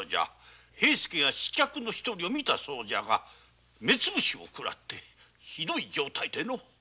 平助が一人を見たそうじゃが目つぶしを食らってひどい状態でのう。